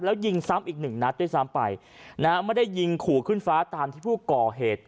แล้วยิงซ้ำอีกหนึ่งนัดด้วยซ้ำไปนะฮะไม่ได้ยิงขู่ขึ้นฟ้าตามที่ผู้ก่อเหตุ